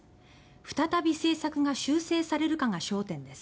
再び政策が修正されるかが焦点です。